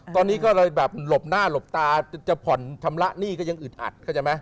ตอนนี้ก็ลบหน้าลบตาจะผ่อนทำละนี่ก็ยังอึดหัด